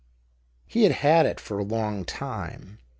He had had it for a long time.